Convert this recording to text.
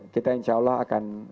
kita insya allah akan